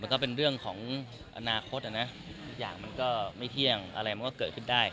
ก็เป็นเรื่องของอนาคตนะทุกอย่างมันก็ไม่เที่ยงอะไรมันก็เกิดขึ้นได้